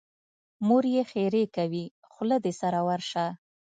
مور یې ښېرې کوي: خوله دې سره ورشه.